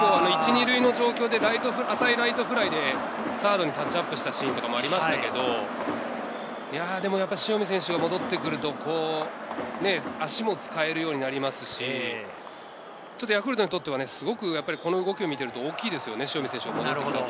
１塁２塁の状況で浅いライトフライでサードにタッチアップしたシーンもありましたけど、やっぱり塩見選手が戻ってくると、足も使えるようになりますし、ちょっとヤクルトにとっては、すごくこの動きを見ていると大きいですね。